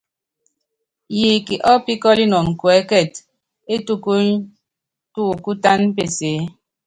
Yiik ɔ́píkɔ́lɔn kuɛ́kɛt é tubuny tuukútán pesée.